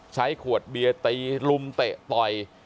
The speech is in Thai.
ใช้ขวดเบียร์ตีลุมเตะต่อย